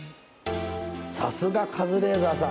さすがカズレーザーさん